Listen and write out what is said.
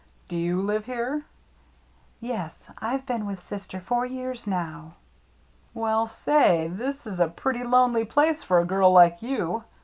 Do you live here ?" "Yes, I've been with sister four years now." " Well, say, this is a pretty lonely place for a girl like you.